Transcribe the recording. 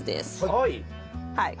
はい。